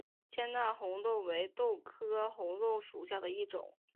纤柄红豆为豆科红豆属下的一个种。